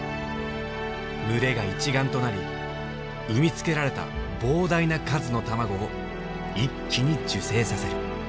群れが一丸となり産み付けられた膨大な数の卵を一気に受精させる。